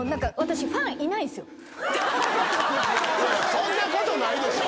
そんなことないでしょ！